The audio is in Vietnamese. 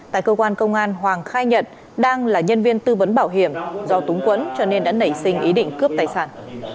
tại cơ quan công an hoàng khai nhận đang là nhân viên tư vấn bảo hiểm do túng quẫn cho nên đã nảy sinh ý định cướp tài sản